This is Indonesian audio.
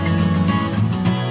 bebek bakar sambal durian